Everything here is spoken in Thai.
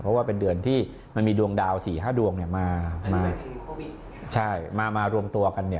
เพราะว่าเป็นเดือนที่มันมีดวงดาวสี่ห้าดวงเนี้ยมาใช่มามารวมตวกันเนี้ย